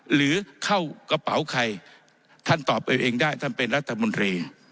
หรือเข้ากระเป๋าใครท่านตอบเอาเองได้ท่านเป็นรัฐมนตรี